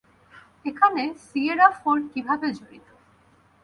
এখানে Sierra four কীভাবে জড়িত?